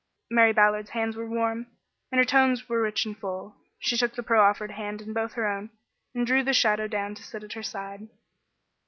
Mary Ballard's hands were warm, and her tones were rich and full. She took the proffered hand in both her own and drew the shadow down to sit at her side.